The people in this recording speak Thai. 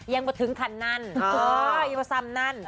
ยังไม่ถึงคันนั้นยังไม่ถึงซำนั้น